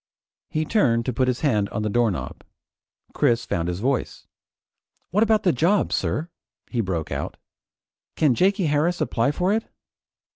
He turned to put his hand on the doorknob. Chris found his voice. "What about the job, sir?" he broke out. "Can Jakey Harris apply for it?"